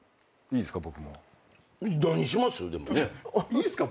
「いいっすか？